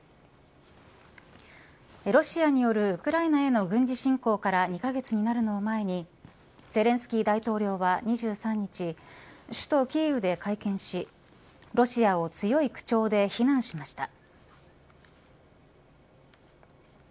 ロシアによるウクライナへの軍事進攻から２カ月になるのを前にゼレンスキー大統領は２３日首都キーウで会見しロシアを強い口調で非難しました。